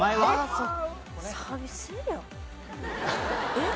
えっ？